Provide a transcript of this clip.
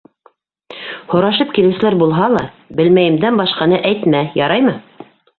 Һорашып килеүселәр булһа ла, белмәйемдән башҡаны әйтмә, яраймы.